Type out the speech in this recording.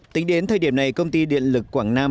tính đến thời điểm này công ty điện lực quảng nam